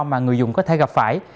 mà người dùng có thể gặp phải